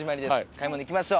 買い物行きましょう。